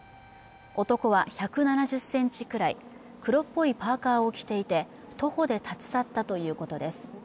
男は１７０ｃｍくらい、黒っぽいパーカーを着ていて徒歩で立ち去ったということです。